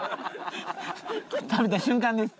食べた瞬間です。